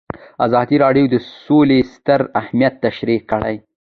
ازادي راډیو د سوله ستر اهميت تشریح کړی.